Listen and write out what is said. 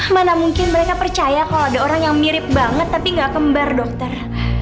mana mungkin mereka percaya kalau ada orang yang mirip banget tapi nggak kembar dokter